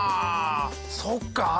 そうか。